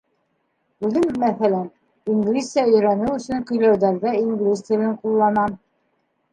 Үҙем, мәҫәлән, инглизсә өйрәнеү өсөн көйләүҙәрҙә инглиз телен ҡулланам.